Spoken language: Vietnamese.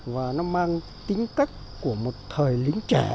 và nó mang tính cách của một thời lính trẻ